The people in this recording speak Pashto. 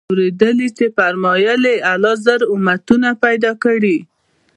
اورېدلي چي فرمايل ئې: الله زر امتونه پيدا كړي